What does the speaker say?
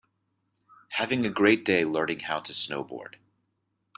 Having a great day learning how to snowboard.